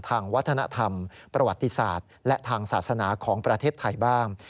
ทางวัฒนธรรมประวัติศาสตร์และทางศาสนาของประเทศไทยบ้าง